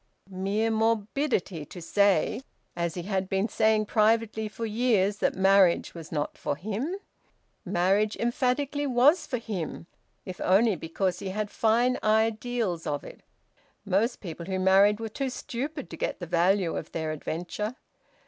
Mere morbidity to say, as he had been saying privately for years, that marriage was not for him! Marriage emphatically was for him, if only because he had fine ideals of it. Most people who married were too stupid to get the value of their adventure.